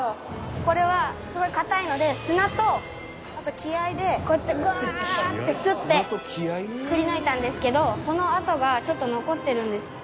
これはすごい硬いので砂とあと気合でこうやってグワーッてすってくりぬいたんですけどその跡がちょっと残ってるんですよ。